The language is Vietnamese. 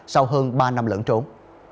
sau hơn ba năm lẫn trốn